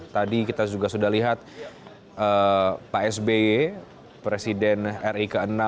tadi kita juga sudah lihat pak sby presiden ri ke enam